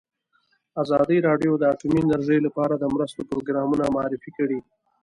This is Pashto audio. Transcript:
ازادي راډیو د اټومي انرژي لپاره د مرستو پروګرامونه معرفي کړي.